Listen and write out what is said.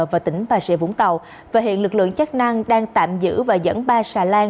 và tỉnh bà rịa vũng tàu và hiện lực lượng chức năng đang tạm giữ và dẫn ba xà lan